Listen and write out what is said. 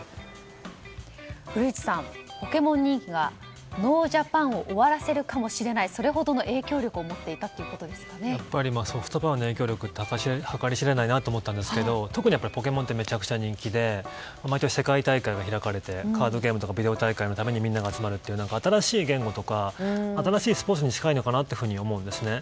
古市さん、「ポケモン」人気がノージャパンを終わらせるかもしれないそれほどの影響力をソフトパワーの影響力は計り知れないなと思ったんですけど特に「ポケモン」ってめちゃくちゃ人気で毎年、世界大会が開かれてカードゲームとかビデオ大会のためにみんなが集まるという新しい言語とか新しいスポーツに近いのかなと思うんですね。